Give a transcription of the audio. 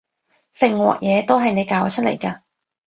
成鑊嘢都係你搞出嚟㗎